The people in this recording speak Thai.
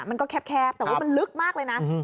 มันก็แคบแคบครับแต่ว่ามันลึกมากเลยน่ะอืม